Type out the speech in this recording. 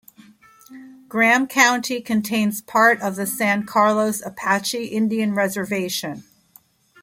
Graham County contains part of the San Carlos Apache Indian Reservation.